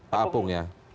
pak apung ya